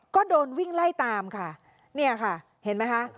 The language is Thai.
ก็โดนวิ่งไล่ตามค่ะเนี่ยค่ะเห็นไหมคะ